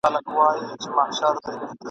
د همدې خرقې په زور پهلوانان وه !.